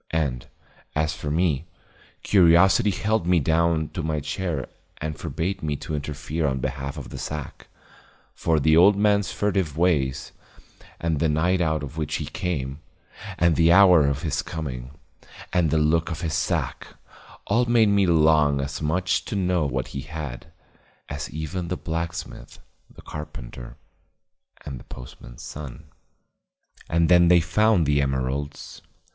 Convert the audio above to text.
And, as for me, curiosity held me down to my chair and forbade me to interfere on behalf of the sack; for the old man's furtive ways, and the night out of which he came, and the hour of his coming, and the look of his sack, all made me long as much to know what he had, as even the blacksmith, the carpenter and the postman's son. And then they found the emeralds.